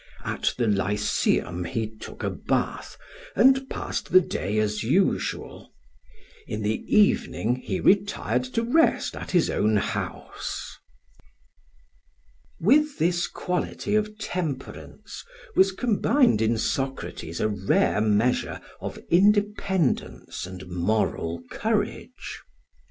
At the Lyceum he took a bath, and passed the day as usual. In the evening he retired to rest at his own house." [Footnote: Plato, Symposion, 223. Translated by Jowett.] With this quality of temperance was combined in Socrates a rare measure of independence and moral courage.